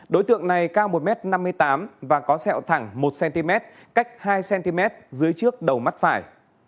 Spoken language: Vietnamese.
đối tượng này cao một năm mươi tám m và có xeo thẳng một cm cách hai cm dưới trước đầu mắt phải